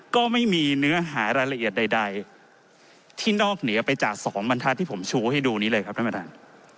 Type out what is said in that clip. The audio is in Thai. ก็ไม่มีเนื้อหารายละเอียดใดที่นอกเหนือไปจากสองบรรทัศน์ที่ผมชูให้ดูนี้เลยครับท่านประธาน